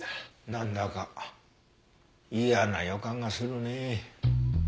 なんだか嫌な予感がするね。